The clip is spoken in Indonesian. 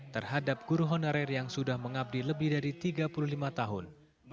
terhadap guru honorer yang sudah mengabdi lebih dari tiga puluh lima tahun